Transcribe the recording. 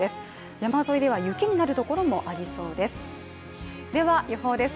山沿いでは雪になる所もありそうです。